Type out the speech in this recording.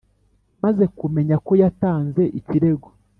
maze kumenya ko yatanze ikirego